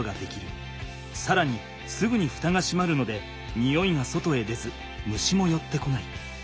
さらにすぐにフタがしまるので臭いが外へ出ず虫もよってこない。